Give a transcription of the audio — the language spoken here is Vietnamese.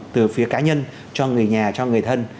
từ phía cá nhân cho người nhà cho người thân